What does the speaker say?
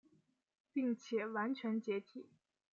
并且完全解体。